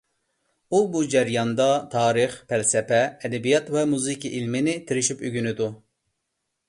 ئۇ بۇ جەرياندا تارىخ، پەلسەپە، ئەدەبىيات ۋە مۇزىكا ئىلمىنى تىرىشىپ ئۆگىنىدۇ.